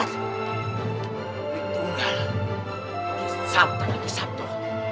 sabtu lagi sabtu